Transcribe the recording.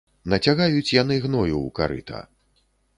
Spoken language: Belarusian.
Нацягаюць яны гною ў карыта.